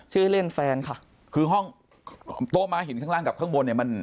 ชื่อเล่นแฟนค่ะคือห้องโต๊ะม้าหินข้างล่างกับข้างบนเนี่ยมัน